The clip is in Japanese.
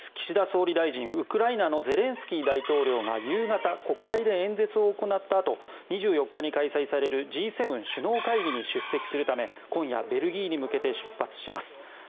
岸田総理大臣、ウクライナのゼレンスキー大統領が夕方、国会で演説を行ったあと２４日に開催されるＧ７首脳会議に出席するため今夜、ベルギーに向けて出発します。